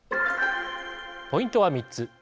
ポイントは３つ。